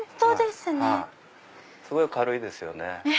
すごい軽いですよね。